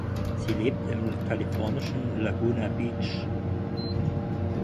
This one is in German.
Sie lebt im kalifornischen Laguna Beach.